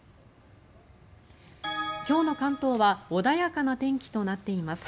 今日の関東は穏やかな天気となっています。